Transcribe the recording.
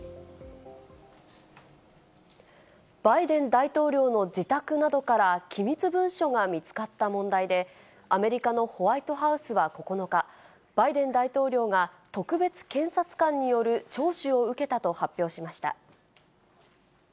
バイデン大統領の自宅などから、機密文書が見つかった問題で、アメリカのホワイトハウスは９日、バイデン大統領が特別検察官による聴取を受けたと発表しました。